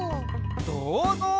「どうぞう！」